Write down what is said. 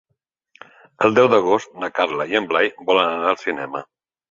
El deu d'agost na Carla i en Blai volen anar al cinema.